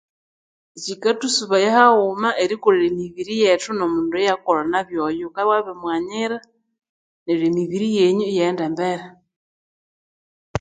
Kikathusubaya haghuma erikolha emibiri yetu nomundu oyulhakukolha nabi oyo ghukabya wabiri mughanyira neryo emiri yenyu iyaghanda embere